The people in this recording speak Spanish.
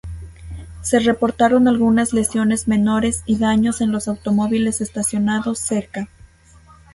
Se reportaron algunas lesiones menores y daños en los automóviles estacionados cerca.